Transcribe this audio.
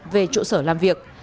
về trụ sở làm việc